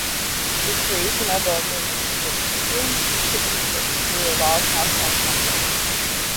The creation of a Municipality should be through a Law passed by Congress.